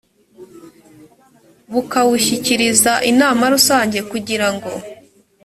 bukawushyikiriza inama rusange kugira ngo